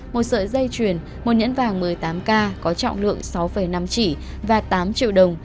một sợi dây chuyền một nhẫn vàng một mươi tám k có trọng lượng sáu năm chỉ và tám triệu đồng